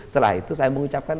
setelah itu saya mengucapkan